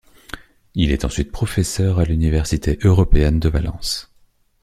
Il est ensuite professeur à l'Université européenne de Valence.